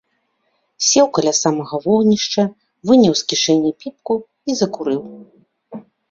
Сеў каля самага вогнішча, выняў з кішэні піпку і закурыў.